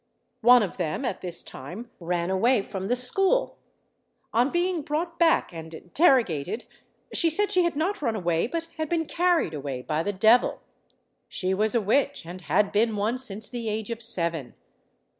One of them at this time ran away from the school. On being brought back and interrogated, she said she had not run away, but had been carried away by the devil; she was a witch, and had been one since the age of seven.